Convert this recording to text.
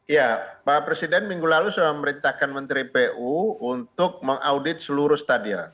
ya pak presiden minggu lalu sudah memerintahkan menteri pu untuk mengaudit seluruh stadion